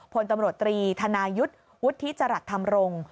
พลตำรวจตรีธนายุทธ์วุฒิจรัสธรรมรงค์